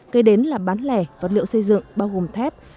kế đến là bán lẻ vật liệu xây dựng bao gồm thép